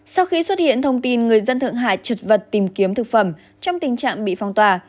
sau khi xuất hiện thông tin người dân thượng hải trật vật tìm kiếm thực phẩm trong tình trạng bị phong tỏa